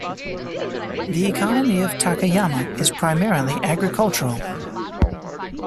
The economy of Takayama is primarily agricultural.